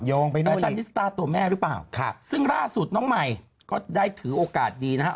ยองไปโน้ทอีกค่ะซึ่งล่าสุดน้องใหม่ก็ได้ถือโอกาสดีนะฮะ